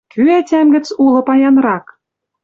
Кӱ ӓтям гӹц улы паянрак?